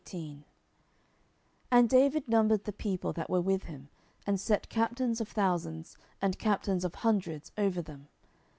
10:018:001 And David numbered the people that were with him, and set captains of thousands, and captains of hundreds over them.